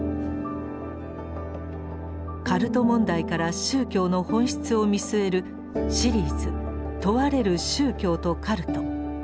カルト問題から宗教の本質を見据えるシリーズ「問われる宗教と“カルト”」。